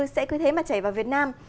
sẽ cứ thế mà chảy vào việt nam